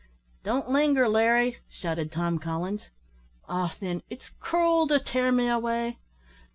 "Don't linger, Larry," shouted Tom Collins. "Ah! thin, it's cruel to tear me away.